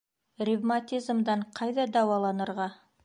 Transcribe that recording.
Ревматизмдан ҡайҙа дауаланырға?